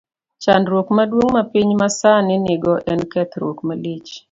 Chandruok maduong ' ma piny masani nigo en kethruok malich.